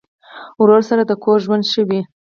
ورور سره د کور ژوند ښه وي.